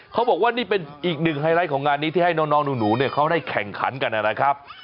เขาบอกว่านี่เป็นอีกหนึ่งไฮไลท์ของงานนี้ที่ให้น้องหนูเขาได้แข่งขันกันนะครับ